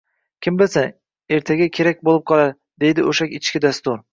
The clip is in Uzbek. kim bilsin, ertaga kerak bo‘lib qolar” – deydi o‘sha ichki dastur